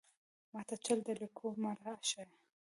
ماته چل د ليکلو مۀ راښايه!